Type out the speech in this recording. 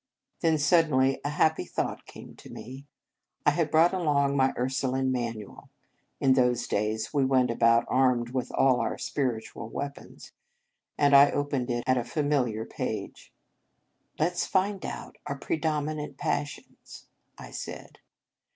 Then suddenly a happy thought came to me. I had brought along my Ursu Hne Manual (in those days we went about armed with all our spiritual weapons), and I opened it at a familiar page. " Let s find out our predominant passions," I said.